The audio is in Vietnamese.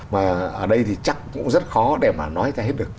và ở đây thì chắc cũng rất khó để mà nói ra hết được